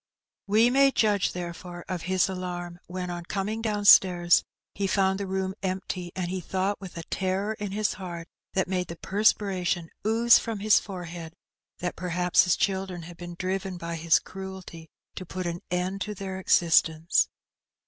We may judge, therefore, of his alarm when, on coming downstairs, he fotmd the room empty, and he thought, with a terror in his heart that made the perspiration ooze from his forehead, that perhaps his children had been driven by his cruelty to put an end to their existence.